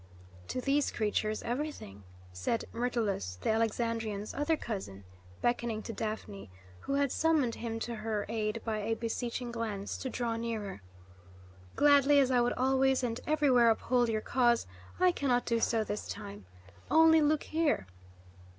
"To these creatures, everything," said Myrtilus, the Alexandrian's other cousin, beckoning to Daphne, who had summoned him to her aid by a beseeching glance, to draw nearer. "Gladly as I would always and everywhere uphold your cause, I can not do so this time. Only look here!